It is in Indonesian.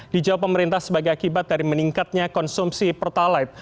dijawab pemerintah sebagai akibat dari meningkatnya konsumsi pertalite